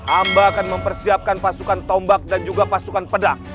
amba akan mempersiapkan pasukan tombak dan juga pasukan pedang